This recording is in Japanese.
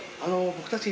僕たち。